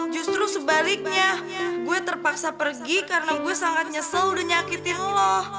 justru sebaliknya gue terpaksa pergi karena gue sangat nyesel udah nyakitin allah